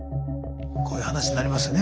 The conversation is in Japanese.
こういう話になりますよね